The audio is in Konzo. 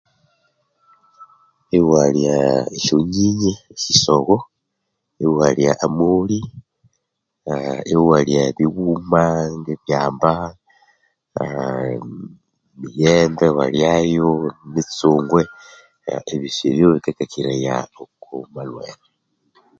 Ewalya esyonyinyi esisogho iwalya amoli eh ewalya ebighuma nge byamba ehemiyembe awalyayo emitsungwe eh ebyosi bikakakiraya oko malhwere